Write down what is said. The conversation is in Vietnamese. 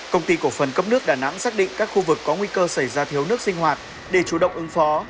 công ty cổ phần cấp nước đà nẵng xác định các khu vực có nguy cơ xảy ra thiếu nước sinh hoạt để chủ động ứng phó